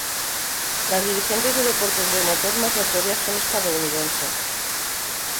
Las dirigentes de deportes de motor más notorias son estadounidenses.